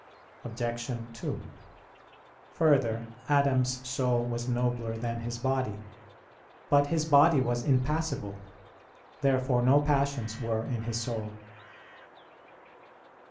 Obj. 2: Further, Adam's soul was nobler than his body. But his body was impassible. Therefore no passions were in his soul.